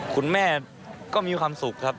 คุณแม่ก็มีความสุขครับ